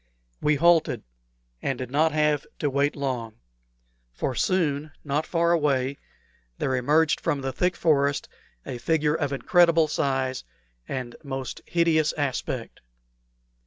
We halted, and did not have to wait long; for soon, not far away, there emerged from the thick forest a figure of incredible size and most hideous aspect.